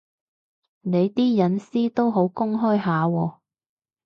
你啲私隱都好公開下喎